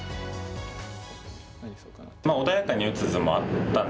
まあ穏やかに打つ図もあったんですけど